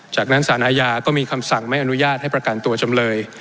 จากนั้นสารอาญาก็มีคำสั่งไม่อนุญาตให้ประกันตัวจำเลย